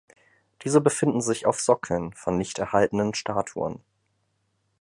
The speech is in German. Diese befinden sich auf Sockeln von nicht erhaltenen Statuen.